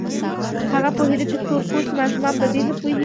هغه پوهېده چې تور پوستي ماشومان په دې نه پوهېږي.